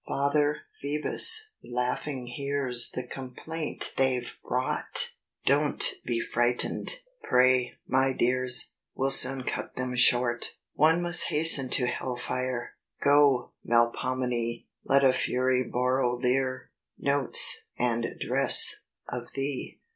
Father Phoebus laughing hears The complaint they've brought; "Don't be frightened, pray, my dears, We'll soon cut them short! "One must hasten to hell fire, Go, Melpomene! Let a fury borrow lyre, Notes, and dress, of thee.